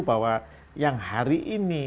bahwa yang hari ini